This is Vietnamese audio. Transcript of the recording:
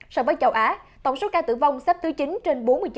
so với châu á tổng số ca tử vong sắp thứ chín trên bốn mươi chín